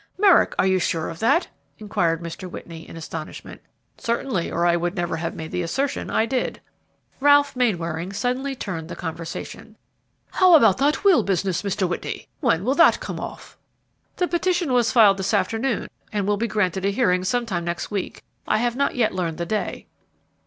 "Merrick, are you sure of that?" inquired Mr. Whitney, in astonishment. "Certainly, or I would never have made the assertion I did." Ralph Mainwaring suddenly turned the conversation. "How about that will business, Mr. Whitney? When will that come off?" "The petition was filed this afternoon, and will be granted a hearing some time next week; I have not yet learned the day."